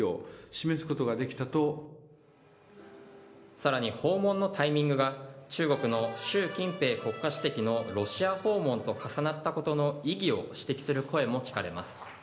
さらに、訪問のタイミングが中国の習近平国家主席のロシア訪問と重なったことの意義を指摘する声も聞かれます。